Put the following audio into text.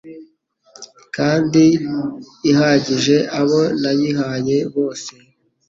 kandi ihagije abo nayihaye bose